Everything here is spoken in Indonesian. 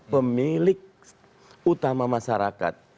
pemilik utama masyarakat